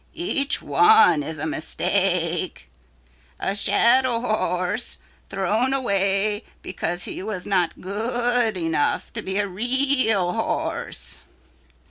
Each one is a mistake, a shadow horse thrown away because he was not good enough to be a real horse.